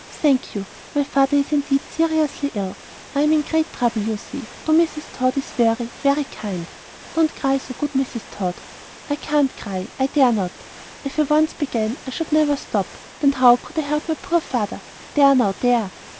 "Thank you, my father is indeed seriously ill. I am in great trouble, you see, though Mrs. Tod is very, very kind. Don't cry so, good Mrs. Tod; I can't cry, I dare not. If I once began I should never stop, and then how could I help my poor father? There now, there!"